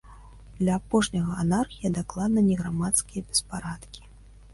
Для апошняга, анархія дакладна не грамадскія беспарадкі.